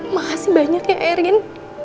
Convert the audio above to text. makasih banyak ya erin